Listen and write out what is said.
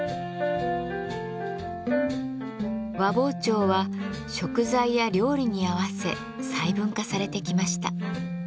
和包丁は食材や料理に合わせ細分化されてきました。